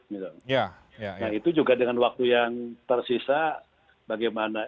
nah itu juga dengan waktu yang tersisa bagaimana